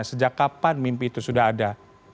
sejak kapan mimpi itu sudah ada